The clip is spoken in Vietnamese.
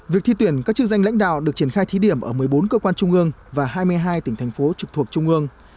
việc thi tuyển các chức danh lãnh đạo được triển khai thí điểm ở một mươi bốn cơ quan trung ương và hai mươi hai tỉnh thành phố trực thuộc trung ương